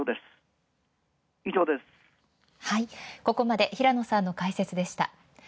ここまで平野さんの解説でした。